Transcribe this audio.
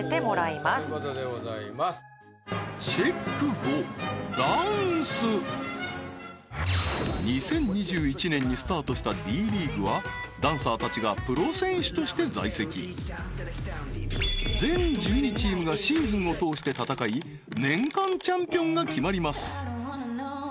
５２０２１年にスタートしたＤリーグはダンサーたちがプロ選手として在籍全１２チームがシーズンを通して戦い年間チャンピオンが決まります